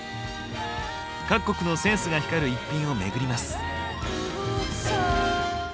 各国のセンスが光る逸品をめぐります。